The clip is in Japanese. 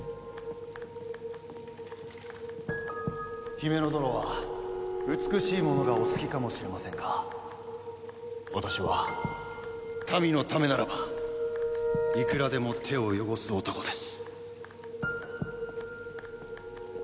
ヒメノ殿は美しいものがお好きかもしれませんが私は民のためならばいくらでも手を汚す男です。